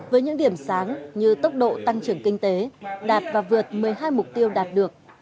với những điểm sáng như tốc độ tăng trưởng kinh tế đạt và vượt một mươi hai mục tiêu đạt được